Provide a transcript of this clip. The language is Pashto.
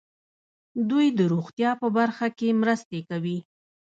دوی د روغتیا په برخه کې مرستې کوي.